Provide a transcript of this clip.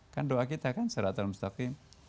kan doa kita kan salat al mustaqim